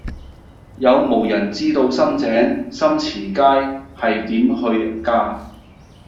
有無人知道深井深慈街係點去㗎